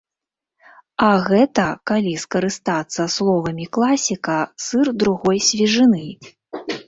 А гэта, калі скарыстацца словамі класіка, сыр другой свежыны.